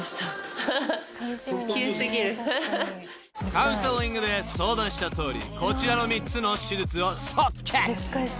［カウンセリングで相談したとおりこちらの３つの手術を即決］